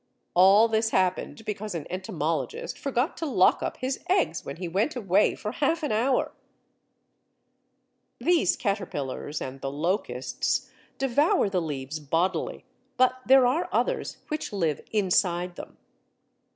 All this happened because an entomologist forgot to lock up his eggs when he went away for half an hour! These caterpillars and the locusts devour the leaves bodily, but there are others which live inside them.